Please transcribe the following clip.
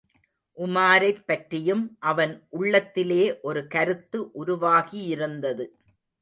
உமாரைப் பற்றியும் அவன் உள்ளத்திலே ஒரு கருத்து உருவாகியிருந்தது.